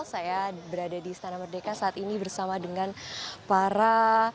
saya berada di istana merdeka saat ini bersama dengan para